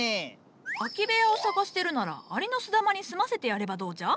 空き部屋を探してるならアリノスダマに住ませてやればどうじゃ？